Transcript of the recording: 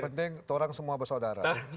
penting tolong semua bersaudara